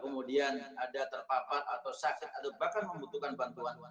tolong jika ada hal hal yang berkaitan dengan permasalahan kesehatan yang terjadi